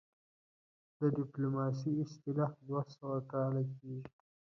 د ډيپلوماسۍ اصطلاح دوه سوه کاله کيږي